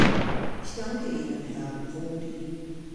Ich danke Ihnen, Herr Prodi.